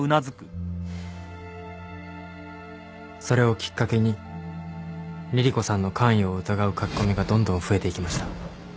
それをきっかけに凛々子さんの関与を疑う書き込みがどんどん増えていきました。